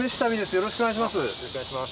よろしくお願いします。